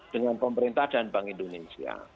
dengan pemerintah dan bank indonesia